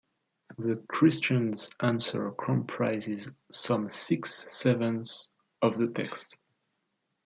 The Christian's answer comprises some six sevenths of the text.